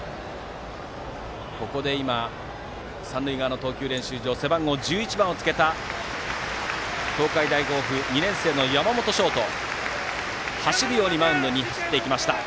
ここで三塁側の投球練習場から背番号１１番をつけた東海大甲府２年生の山本翔斗がマウンドに走っていきました。